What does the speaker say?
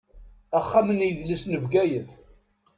Axxam n yidles n Bgayet.